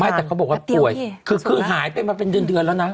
แต่เขาบอกว่าป่วยคือหายไปมาเป็นเดือนแล้วนะ